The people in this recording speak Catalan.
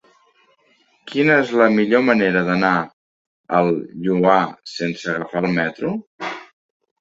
Quina és la millor manera d'anar al Lloar sense agafar el metro?